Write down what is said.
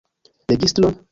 Registron?